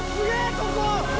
ここ！